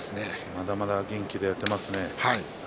まだまだ元気でやっていますね。